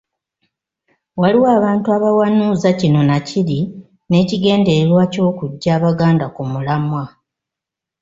Waliwo abantu abawanuuza kino nakiri n'ekigendererwa ky'okuggya Abaganda ku mulamwa .